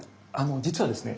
実はですね